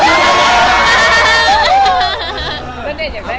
ยังไงค่ะอธิบาย